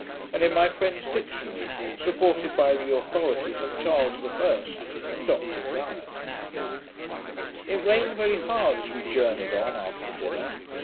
and in my friend's Dictionary, supported by the authorities of Charles I and Dr Donne. It rained very hard as we journied on after dinner.